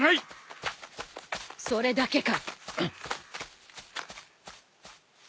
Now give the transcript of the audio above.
それだけか？